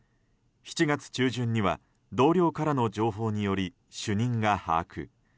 ７月中旬には同僚からの情報により主任が把握。